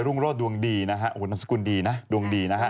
รุ่งโรศดวงดีนะฮะโอ้โหนามสกุลดีนะดวงดีนะฮะ